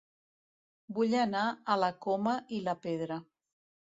Vull anar a La Coma i la Pedra